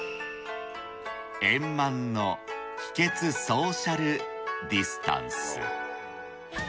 円満の秘訣ソーシャルディスタンス。